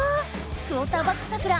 クオーターバックサクラ